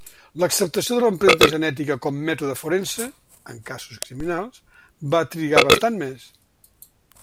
L'acceptació de l'empremta genètica com mètode forense, en casos criminals, va trigar bastant més.